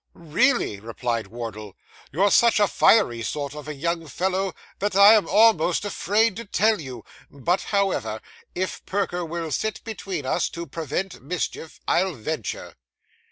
'Really,' replied Wardle, 'you're such a fiery sort of a young fellow that I am almost afraid to tell you; but, however, if Perker will sit between us to prevent mischief, I'll venture.